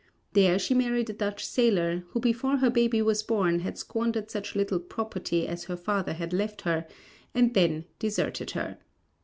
There she married a Dutch sailor, who before her baby was born, had squandered such little property as her father had left her, and then deserted her.